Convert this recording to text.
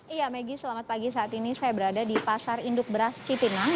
iya maggie selamat pagi saat ini saya berada di pasar induk beras cipinang